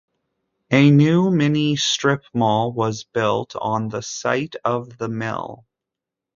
A new mini strip mall was built on the site of the mill.